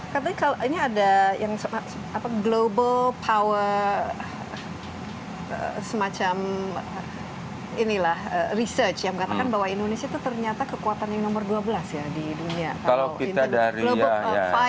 katanya ini ada yang global power semacam inilah research yang mengatakan bahwa indonesia itu ternyata kekuatan yang nomor dua belas ya di dunia global